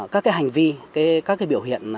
các hành vi các biểu hiện